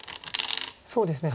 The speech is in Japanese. そうですね。